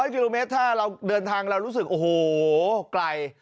กิโลเมตรถ้าเราเดินทางเรารู้สึกโอ้โหไกล